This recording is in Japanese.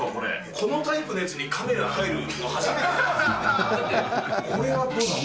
このタイプのやつにカメラ入るの初めてですわ。